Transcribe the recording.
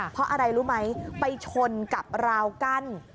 เพราะอะไรรู้ไหมไปชนกับราวกั้น